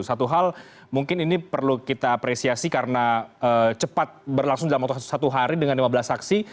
satu hal mungkin ini perlu kita apresiasi karena cepat berlangsung dalam waktu satu hari dengan lima belas saksi